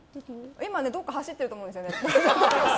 今、どこか走ってると思うんですよね。